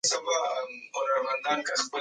دا غږ نه له بهر نه و او نه له دننه نه.